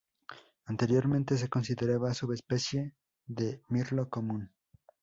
Anteriormente se consideraba subespecie del mirlo común.